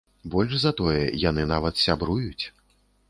Больш за тое, яны нават сябруюць.